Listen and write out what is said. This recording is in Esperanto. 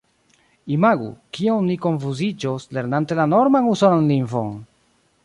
Imagu, kiom ni konfuziĝos, lernante la norman usonan lingvon!